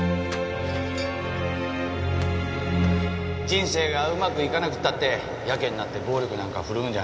人生がうまくいかなくったってやけになって暴力なんか振るうんじゃない。